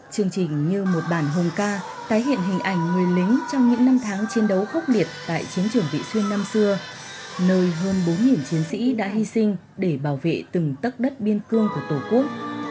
chương trình như một bản hùng ca tái hiện hình ảnh người lính trong những năm tháng chiến đấu khốc biệt tại chiến trường vị xuyên năm xưa nơi hơn bốn chiến sĩ đã hy sinh để bảo vệ từng tất đất biên cương của tổ quốc